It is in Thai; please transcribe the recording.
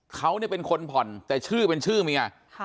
เขาเป็นคนผ่อนแต่ชื่อเป็นชื่อเมีย